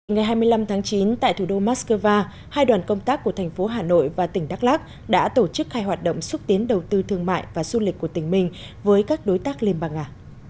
ngày hai mươi năm tháng chín tại thủ đô moscow hai đoàn công tác của thành phố hà nội và tỉnh đắk lắc đã tổ chức hai hoạt động xúc tiến đầu tư thương mại và du lịch của tỉnh mình với các đối tác liên bang nga